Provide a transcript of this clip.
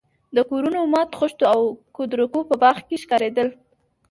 د کورونو ماتو خښتو او کودرکو په باغ کې ښکارېدل.